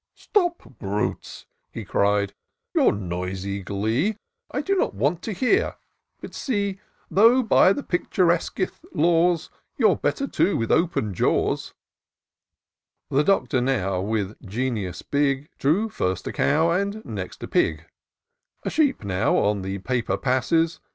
" Stop, brutes," he cried, " your noisy glee ! I do not want to hear — but see ; IN SEARCH OF THE PICTURESQUE. 159 Though, by the picturesqmsh laws, You're better, too, with open jaws." The Doctor now, with geiaus big, First drew a cow, and next a pig: A sheep now on the paper passes.